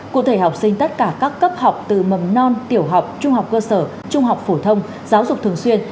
cụ thể học sinh tất cả các cấp học từ mầm non tiểu học trung học cơ sở trung học phổ thông giáo dục thường xuyên